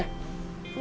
masuk ke dalam